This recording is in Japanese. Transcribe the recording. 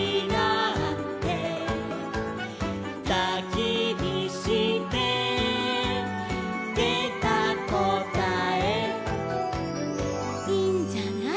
「たきびしてでたこたえ」「いいんじゃない」